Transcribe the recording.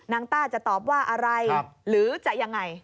ต้าจะตอบว่าอะไรหรือจะยังไง